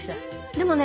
でもね